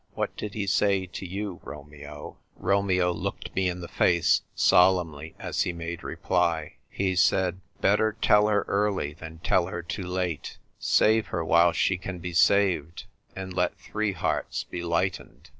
"Wliat did he say to you, Romeo ?" Romeo looked me in the face solemnly as he made reply. " He said, ' Better tell her early than tell her too late. Save her while she can be saved, and let three hearts be lightened.'"